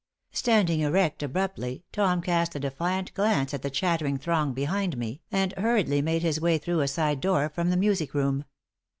Standing erect abruptly, Tom cast a defiant glance at the chattering throng behind me and hurriedly made his way through a side door from the music room.